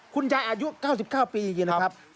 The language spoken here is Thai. คุณยายอายุ๙๙ปีจริงนะครับ